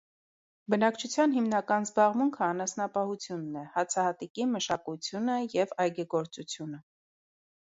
Բնակչութեան հիմնական զբաղմունքը անասնապահութիւնն է, հացահատիկի մշակութիւնը եւ այգեգործութիւնը։